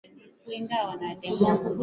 Nataka kuja kwako